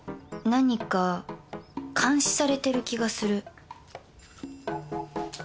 何か監視されてる気がする